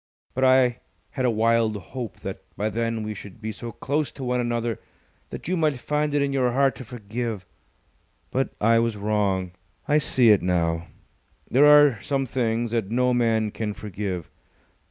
But I had a wild hope that by then we should be so close to one another that you might find it in your heart to forgive. But I was wrong. I see it now. There are some things that no man can forgive.